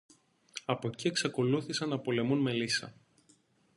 Από κει εξακολούθησαν να πολεμούν με λύσσα